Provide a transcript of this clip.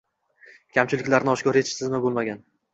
Kamchiliklarini oshkor etish tizimi bo‘lmagan